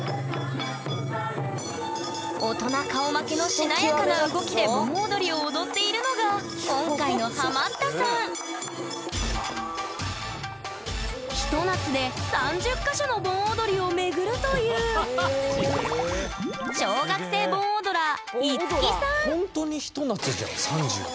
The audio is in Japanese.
大人顔負けのしなやかな動きで盆踊りを踊っているのが今回のハマったさんひと夏で３０か所の盆踊りを巡るというほんとにひと夏じゃん３０。